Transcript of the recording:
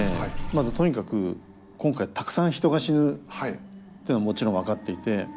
まずとにかく今回たくさん人が死ぬというのはもちろん分かっていて。